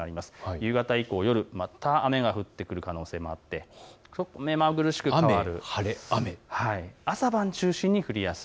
夕方以降、また雨が降ってくる可能性があって目まぐるしく変わる、朝晩中心に降りやすい。